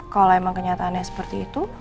kalau emang kenyataannya seperti itu